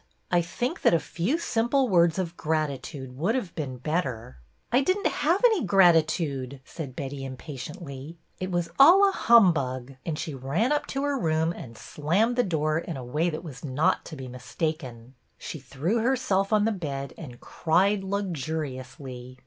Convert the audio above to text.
" I think that a few simple words of gratitude would have been better." " I did n't have any gratitude," said Betty, impatiently. " It was all a humbug," and she MERRYLEGS 37 ran up to her room and slammed the door in a way that was not to be mistaken. She threw herself on the bed, and cried luxuriously.